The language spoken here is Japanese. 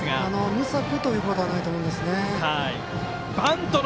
無策ということはないと思うんですね。